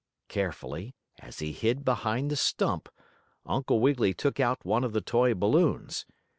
Carefully, as he hid behind the stump, Uncle Wiggily took out one of the toy balloons.